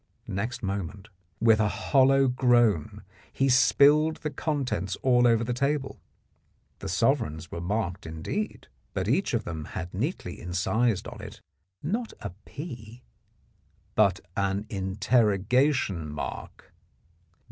Next moment with a hollow groan he spilled the contents all over the table. The sovereigns were marked indeed, but each of them had neatly incised on it, not a "P " but an interrogation mark.